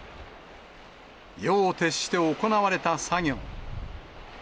夜を徹して行われた作業。